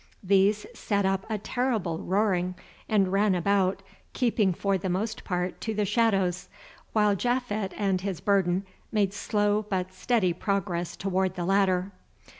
These set up a terrible roaring, and ran about, keeping for the most part to the shadows, while Japhet and his burden made slow but steady progress toward the ladder.